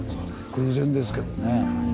偶然ですけどね。